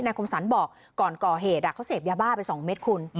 คมสรรบอกก่อนก่อเหตุเขาเสพยาบ้าไป๒เม็ดคุณ